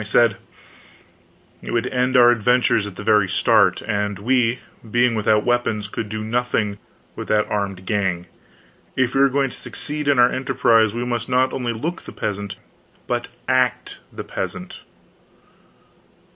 I said: "It would end our adventures at the very start; and we, being without weapons, could do nothing with that armed gang. If we are going to succeed in our emprise, we must not only look the peasant but act the peasant."